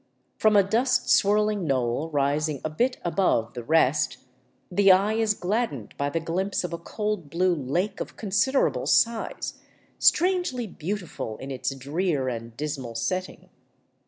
From a dust swirling knoll rising a bit above the rest the eye is gladdened by the glimpse of a cold blue lake of considerable size, strangely beauti ful in its drear and dismal setting.